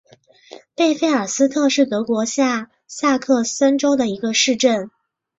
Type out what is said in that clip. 贝费尔斯特是德国下萨克森州的一个市镇。